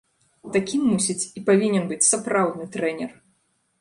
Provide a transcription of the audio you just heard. Такім, мусіць, і павінен быць сапраўдны трэнер!!!